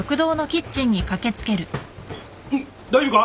大丈夫か？